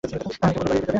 আমাদেরকে বলো বাড়ির ভিতরে?